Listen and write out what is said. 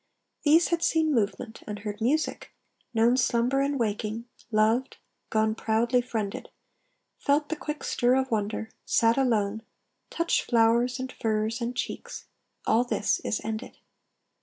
These had seen movement, and heard music; known Slumber and waking; loved; gone proudly friended; Felt the quick stir of wonder; sat alone; Touched flowers and furs and cheeks. All this is ended.